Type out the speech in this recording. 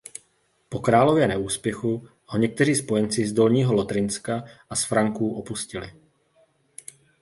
Po králově neúspěchu ho někteří spojenci z Dolního Lotrinska a z Franků opustili.